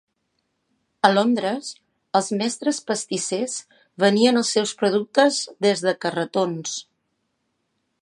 A Londres, els mestres pastissers venien els seus productes des de carretons.